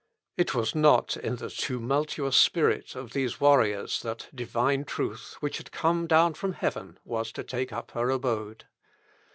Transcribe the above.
It was not in the tumultuous spirit of these warriors that Divine truth, which had come down from heaven, was to take up her abode.